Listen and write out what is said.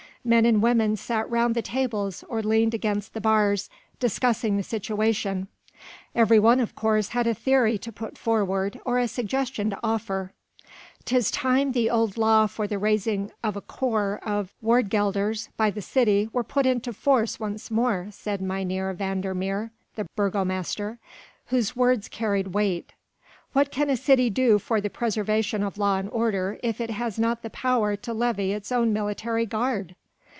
Men and women sat round the tables or leaned against the bars discussing the situation: every one, of course, had a theory to put forward, or a suggestion to offer. "'Tis time the old law for the raising of a corps of Waardgelders by the city were put into force once more," said Mynheer van der Meer the burgomaster, whose words carried weight. "What can a city do for the preservation of law and order if it has not the power to levy its own military guard?"